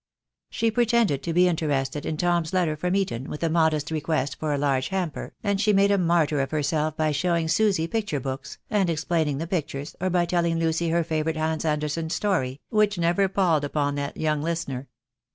She pretended to be interested in Tom's letter from Eton with a modest request for a large hamper, and she made a martyr of herself by showing Susie picture books, and explaining the pictures, or by telling Lucy her favourite Hans Andersen story, which never palled upon that young listener.